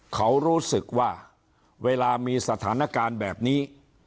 เขารู้สึกว่าเวลามีสถานการณ์แบบนี้